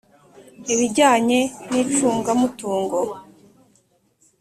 ibijyanye n icungamutungo